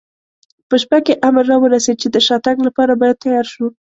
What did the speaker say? په شپه کې امر را ورسېد، چې د شاتګ لپاره باید تیار شو.